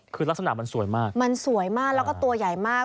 คือลักษณะมันสวยมากมันสวยมากแล้วก็ตัวใหญ่มาก